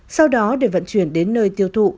sau đó để vận chuyển đến nơi tiêu thụ